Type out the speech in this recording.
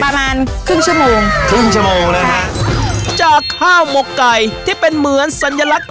ประมาณครึ่งชั่วโมงครึ่งชั่วโมงนะคะจากข้าวหมกไก่ที่เป็นเหมือนสัญลักษณ์